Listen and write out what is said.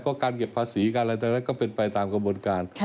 ก็การเก็บภาษีการอะไรตอนนั้นก็เป็นไปตามกระบวนการ